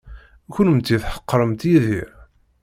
Kennemti tḥeqremt Yidir.